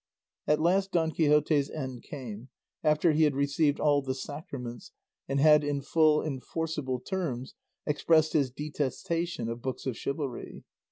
At last Don Quixote's end came, after he had received all the sacraments, and had in full and forcible terms expressed his detestation of books of chivalry.